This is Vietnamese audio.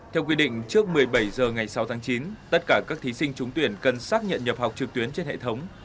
theo quy định trước một mươi bảy h ngày sáu tháng chín tất cả các thí sinh trúng tuyển cần xác nhận nhập học trực tuyến trên hệ thống